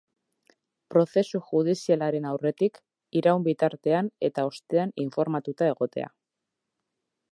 Prozesu judizialaren aurretik, iraun bitartean eta ostean informatuta egotea.